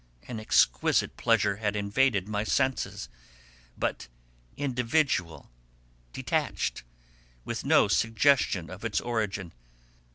An exquisite pleasure had invaded my senses, but individual, detached, with no suggestion of its origin.